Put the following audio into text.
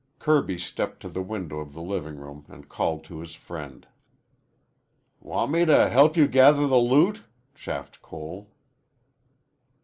Kirby stepped to the window of the living room and called to his friend. "Want me to help you gather the loot?" chaffed Cole.